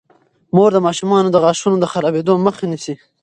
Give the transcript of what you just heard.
مور د ماشومانو د غاښونو د خرابیدو مخه نیسي.